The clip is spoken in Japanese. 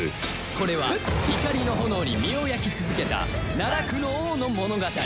これは怒りの炎に身を焼き続けた奈落の王の物語